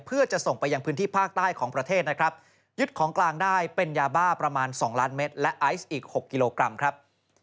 เพื่อจะส่งไปยังพื้นที่ภาคใต้ของประเทศนะครับยึดของกลางได้เป็นยาบ้าประมาณ๒ล้านเมตรและไอซ์อีก๖กิโลกรัมครับ